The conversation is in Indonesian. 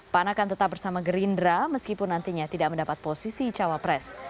pan akan tetap bersama gerindra meskipun nantinya tidak mendapat posisi cawapres